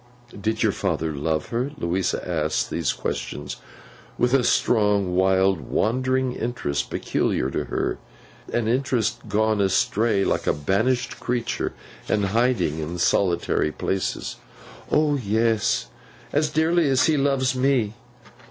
'Did your father love her?' Louisa asked these questions with a strong, wild, wandering interest peculiar to her; an interest gone astray like a banished creature, and hiding in solitary places. 'O yes! As dearly as he loves me.